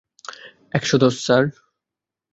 একশ দশ, স্যার।